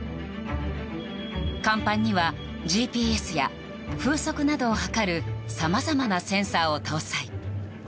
甲板にはＧＰＳや風速などを測るさまざまなセンサーを搭載。